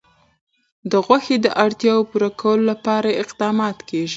د غوښې د اړتیاوو پوره کولو لپاره اقدامات کېږي.